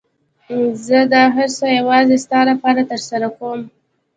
زه دا هر څه يوازې ستا لپاره ترسره کوم.